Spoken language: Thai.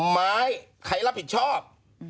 ไม้ใครรับผิดชอบ